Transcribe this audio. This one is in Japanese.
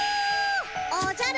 おじゃる。